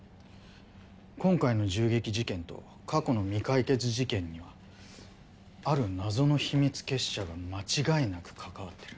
今回の銃撃事件と過去の未解決事件にはある謎の秘密結社が間違いなく関わってる。